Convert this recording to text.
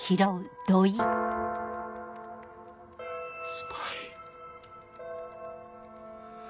スパイ。